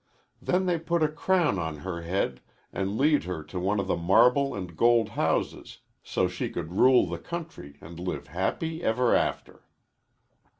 Then they put a crown on her head and lead her to one of the marble and gold houses, so she could rule the country and live happy ever after."